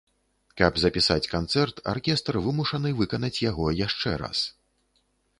Каб запісаць канцэрт, аркестр вымушаны выканаць яго яшчэ раз.